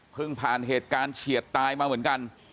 ผ่านเหตุการณ์เฉียดตายมาเหมือนกัน